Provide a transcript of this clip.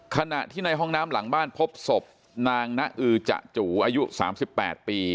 ขณะที่ในห้องน้ำหลังบ้านพบศพนางนะอือจะจูอายุ๓๘ปี